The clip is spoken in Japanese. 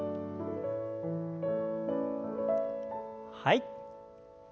はい。